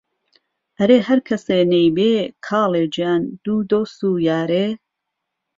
ئهرێ ههر کهسێ نهیبێ کاڵێ گیان دوو دۆست و یارێ